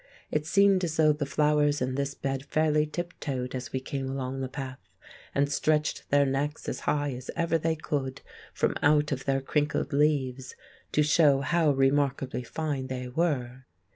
It seemed as though the flowers in this bed fairly tip toed as we came along the path, and stretched their necks as high as ever they could, from out of their crinkled leaves, to show how remarkably fine they were.